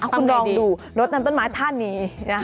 คุณลองดูรถนั้นต้นไม้ท่านี้